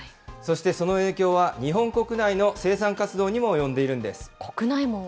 そして、その影響は日本国内の生産活動にも及んでいるんです。